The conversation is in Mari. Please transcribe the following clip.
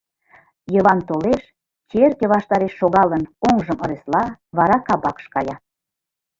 Йыван толеш, черке ваштареш шогалын, оҥжым ыресла, вара кабакыш кая.